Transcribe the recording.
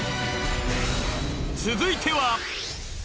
続いては。